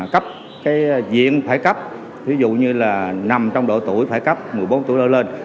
cấp cái diện phải cấp ví dụ như là nằm trong độ tuổi phải cấp một mươi bốn tuổi trở lên